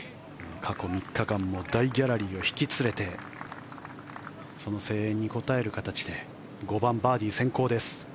過去３日間も大ギャラリーを引き連れてその声援に応える形で５番、バーディー先行です。